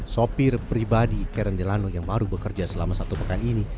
sopir pribadi karen delano yang baru bekerja selama satu pekan ini